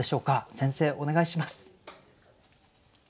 先生お願いします。